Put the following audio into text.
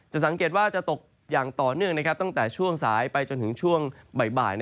สังเกตว่าจะตกอย่างต่อเนื่องตั้งแต่ช่วงสายไปจนถึงช่วงบ่าย